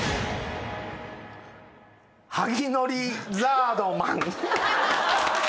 ハギノリザードマン。